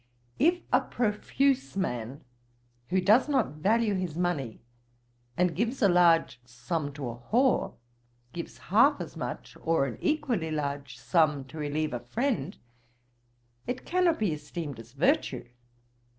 If a profuse man, who does not value his money, and gives a large sum to a whore, gives half as much, or an equally large sum to relieve a friend, it cannot be esteemed as virtue.